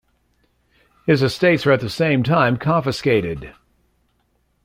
His estates were at the same time confiscated.